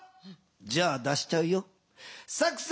じゃあ出しちゃうよ。